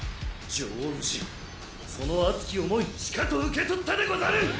ジョー氏その熱き思いしかと受け取ったでござる！